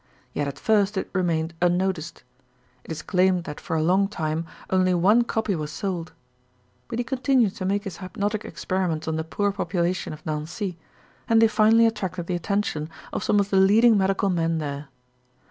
Yet at first it remained unnoticed. It is claimed that for a long time only one copy was sold. But he continued to make his hypnotic experiments on the poor population of Nancy and they finally attracted the attention of some of the leading medical men there.